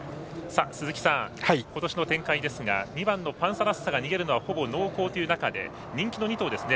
鈴木さん、ことしの展開ですが２番のパンサラッサが逃げるというのが濃厚な中で人気の２頭ですね。